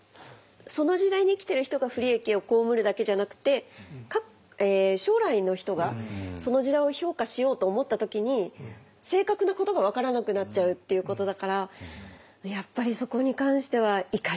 その時代に生きてる人が不利益を被るだけじゃなくて将来の人がその時代を評価しようと思った時に正確なことが分からなくなっちゃうっていうことだからやっぱりそこに関しては怒り。